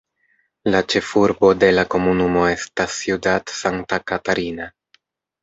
La ĉefurbo de la komunumo estas Ciudad Santa Catarina.